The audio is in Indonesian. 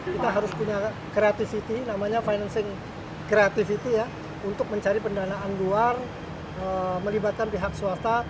kita harus punya creativity namanya financing creativity ya untuk mencari pendanaan luar melibatkan pihak swasta